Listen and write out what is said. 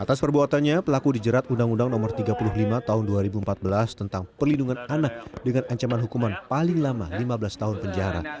atas perbuatannya pelaku dijerat undang undang no tiga puluh lima tahun dua ribu empat belas tentang perlindungan anak dengan ancaman hukuman paling lama lima belas tahun penjara